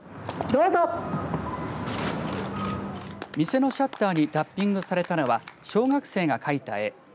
店のシャッターにラッピングされたのは小学生が描いた絵